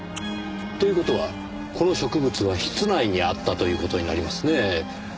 という事はこの植物は室内にあったという事になりますね。